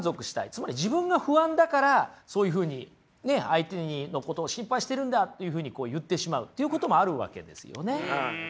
つまり自分が不安だからそういうふうにね相手のことを心配してるんだっていうふうに言ってしまうっていうこともあるわけですよね。